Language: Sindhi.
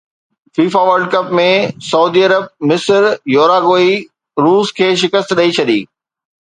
فيفا ورلڊ ڪپ ۾ سعودي عرب مصر، يوراگوئي روس کي شڪست ڏئي ڇڏي